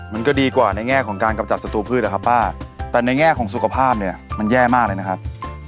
มันก็ดีกว่าในแง่ของการกำจัดสตูพืชอะครับป้าแต่ในแง่ของสุขภาพเนี่ยมันแย่มากเลยนะครับ